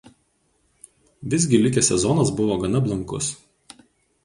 Visgi likęs sezonas buvo gana blankus.